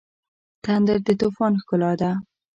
تندر د طوفان ښکلا ده.